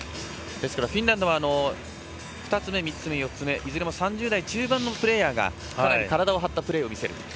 フィンランドは２つ目、３つ目、４つ目いずれも３０代半ばのプレーヤーが体を張ったプレーを見せる。